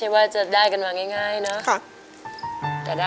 ให้ยาวถ้าเกิดแม่งก็แม่งก็พร้อมได้